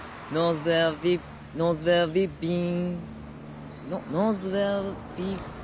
「ノーズウェアウイッビーン」。